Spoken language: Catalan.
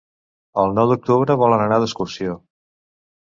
El nou d'octubre volen anar d'excursió.